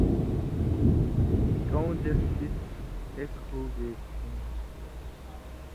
کؤں دیس بِس ایک ہُوگے کھیں